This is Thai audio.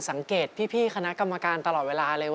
ส่งที่คืน